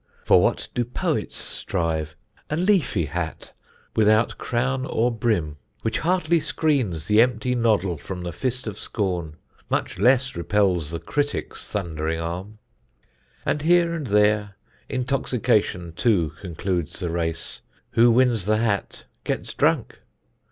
For what do Poets strive? A leafy hat, Without or crown or brim, which hardly screens The empty noddle from the fist of scorn, Much less repels the critic's thund'ring arm. And here and there intoxication too Concludes the race. Who wins the hat, gets drunk.